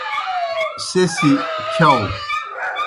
سہ سی کِھیاؤ۔